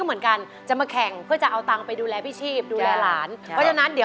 มึงจะไปวันใน